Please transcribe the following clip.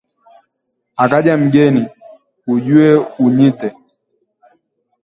Akaja mgeni, uje unyite